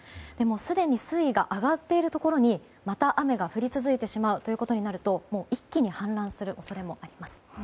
すでに水位が上がっているところにまた雨が降り続くことになると一気に氾濫する恐れもあります。